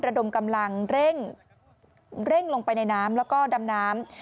ระดมกำลังเร่งลงไปในน้ำแล้วก็ดำน้ำ